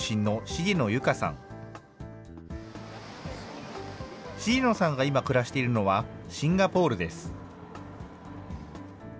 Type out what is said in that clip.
重野さんが今、暮らしているのはシンガポールです。